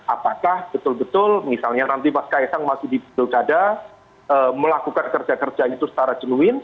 apakah betul betul misalnya nanti pak khaesang masih di bukada melakukan kerja kerja itu secara jeluhin